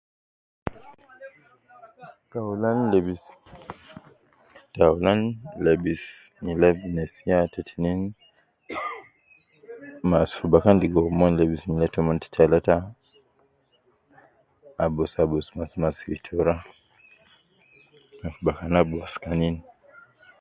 Taulan lebisi, taulan lebis nyila ab nesiya, te tinin masi fi bakan ligo omon lebis nyila tomon, te talata abus abus masi masi fi tura, me bakana ab waskanin